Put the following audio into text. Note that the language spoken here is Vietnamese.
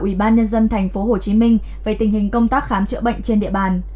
ủy ban nhân dân tp hcm về tình hình công tác khám chữa bệnh trên địa bàn